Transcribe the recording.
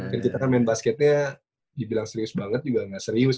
jadi kita kan main basketnya dibilang serius banget juga nggak serius